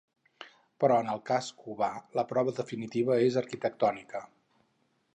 Però en el cas cubà la prova definitiva és arquitectònica.